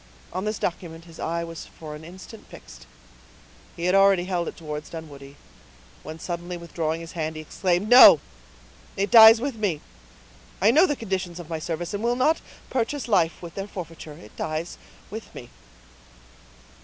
On this document his eye was for an instant fixed—he had already held it towards Dunwoodie, when suddenly withdrawing his hand he exclaimed,— "No—it dies with me. I know the conditions of my service, and will not purchase life with their forfeiture—it dies with me."